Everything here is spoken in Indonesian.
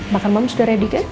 makan malam sudah ready kan